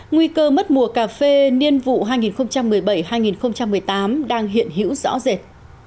nguy cơ mất mùa cà phê niên vụ hai nghìn một mươi bảy hai nghìn một mươi tám đang hiện hữu rõ rệt